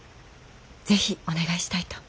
是非お願いしたいと。